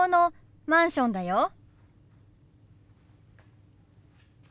その隣のマンションだよ。